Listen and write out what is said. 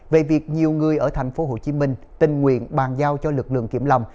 về việc nhiều người ở tp hcm tình nguyện bàn giao cho lực lượng kiểm lâm